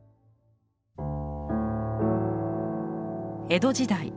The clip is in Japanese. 江戸時代